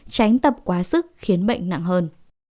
tránh tập quá sức khiến bệnh nặng hơn